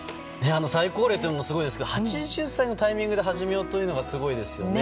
最高齢というのもすごいですけど８０歳というタイミングで始めようというのがすごいですよね。